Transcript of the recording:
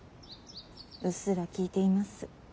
うっすら聞いています。